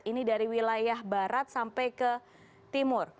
ini dari wilayah barat sampai ke timur